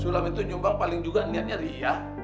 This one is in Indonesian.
sulam itu nyumbang paling juga niatnya riah